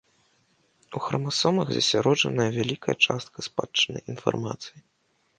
У храмасомах засяроджаная вялікая частка спадчыннай інфармацыі.